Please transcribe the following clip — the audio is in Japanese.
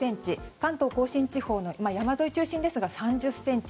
関東・甲信地方の山沿い中心ですが３０ｃｍ